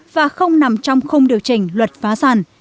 và không nằm trong khung điều chỉnh luật phá sản